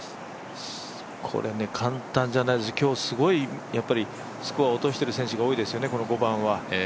簡単じゃないですよ今日、すごいスコアを落としている選手が多いですよね、この５番は。